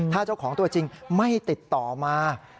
ถ้าเจ้าของตัวจริงไม่ติดต่อมา